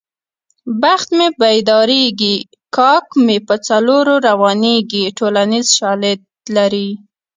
بخت مې پیدارېږي کاک مې په څلور روانېږي ټولنیز شالید لري